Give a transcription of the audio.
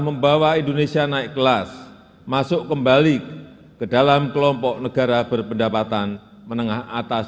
membawa indonesia naik kelas masuk kembali ke dalam kelompok negara berpendapatan menengah atas